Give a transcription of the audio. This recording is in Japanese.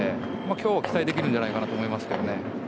今日は期待できるんじゃないかと思います。